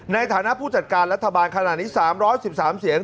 ในฐานะผู้จัดการรัฐบาลขนาดนี้๓๑๓เสียง